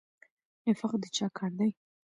نفاق د چا کار دی؟